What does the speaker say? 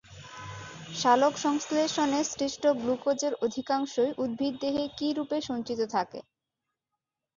সালোকসংশ্লেষণে সৃষ্ট গ্লুকোজের অধিকাংশই উদ্ভিদদেহে কীরূপে সঞ্চিত থাকে?